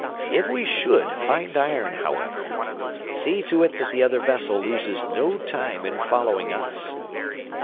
If we should find iron, however, see to it that the other vessel loses no time in following us."